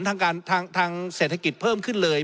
ทางเศรษฐกิจเพิ่มขึ้นเลย